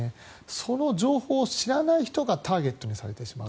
その情報を知らない人がターゲットにされてしまう。